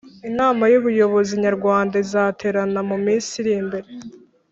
Inama yubuyobozi nyarwanda izaterana muminsi irimbere